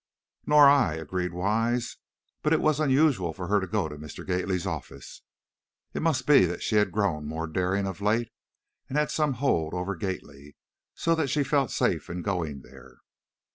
"Nor I," agreed Wise, "but it was unusual for her to go to Mr. Gately's office. It must be that she had grown more daring of late, and had some hold over Gately, so that she felt safe in going there."